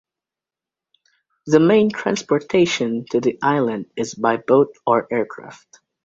The main transportation to the island is by boat or aircraft.